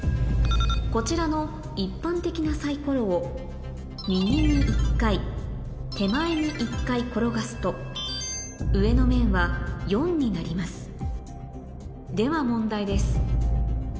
こちらの一般的なサイコロを右に１回手前に１回転がすと上の面は４になりますでは問題です